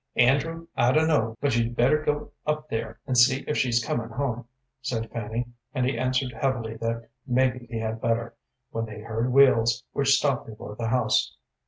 "Andrew, I dun'no' but you'd better go up there and see if she's comin' home," said Fanny; and he answered heavily that maybe he had better, when they heard wheels, which stopped before the house.